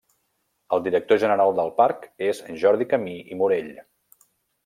El directori general del parc és Jordi Camí i Morell.